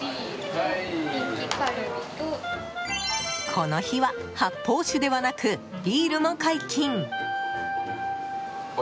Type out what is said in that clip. この日は発泡酒ではなくビールも解禁。